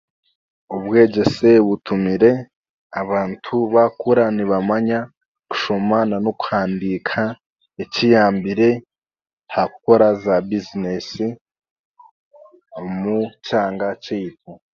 Obwegyese butumire abantu baakura nibamanya kushoma nan'okuhandiika ekiyambire ha kukora za bizinesi omu kyanga kyaitu.